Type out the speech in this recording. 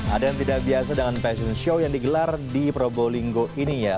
ada yang tidak biasa dengan fashion show yang digelar di probolinggo ini ya